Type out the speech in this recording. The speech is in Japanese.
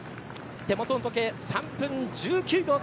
手元の時計３分１９秒差。